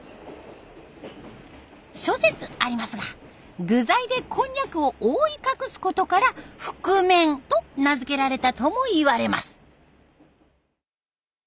諸説ありますが具材でこんにゃくを覆い隠すことから「ふくめん」と名付けられたともいわれます。